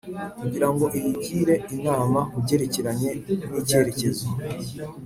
Kugira ngo iyigire inama ku byerekeranye n’cyerekezo